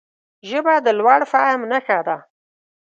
ژبه د لوړ فهم نښه ده